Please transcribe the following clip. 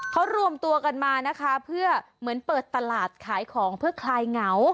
เขารวมตัวกันมานะคะเพื่อเหมือนเปิดตลาดขายของเพื่อคลายเหงา